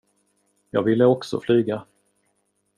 Jag ville också flyga.